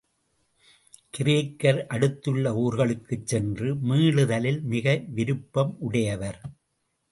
கிரேக்கர் அடுத்துள்ள ஊர்களுக்குச் சென்று மீளுதலில் மிக விருப்பமுடையவர்.